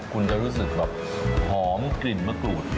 คุณจะรู้สึกแบบหอมกลิ่นมะกรูด